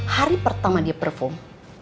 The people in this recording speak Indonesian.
hari pertama dia perform